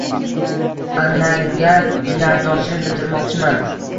Annaga minnatdorchilik bildirmoqchiman